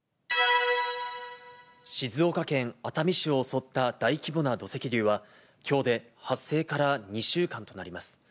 静岡県熱海市を襲った大規模な土石流は、きょうで発生から２週間となります。